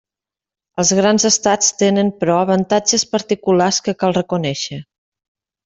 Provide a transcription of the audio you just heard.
Els grans estats tenen, però, avantatges particulars que cal reconèixer.